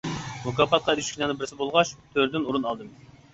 مۇكاپاتقا ئېرىشكۈچىلەرنىڭ بىرسى بولغاچ، تۆردىن ئورۇن ئالدىم.